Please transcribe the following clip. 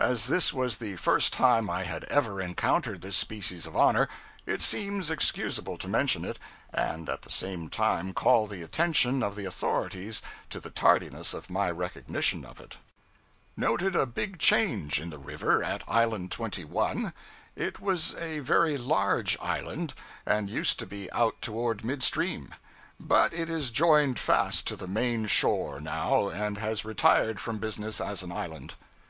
As this was the first time I had ever encountered this species of honor, it seems excusable to mention it, and at the same time call the attention of the authorities to the tardiness of my recognition of it. Noted a big change in the river, at Island 21. It was a very large island, and used to be out toward mid stream; but it is joined fast to the main shore now, and has retired from business as an island.